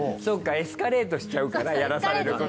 そうかエスカレートしちゃうからやらされる。